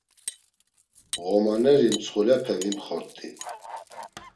Ğomaneri mstxulepe vimxort̆i.